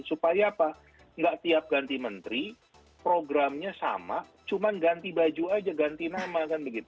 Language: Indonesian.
supaya apa nggak tiap ganti menteri programnya sama cuma ganti baju aja ganti nama